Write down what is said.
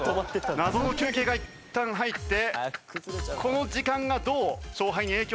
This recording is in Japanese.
謎の休憩がいったん入ってこの時間がどう勝敗に影響するか？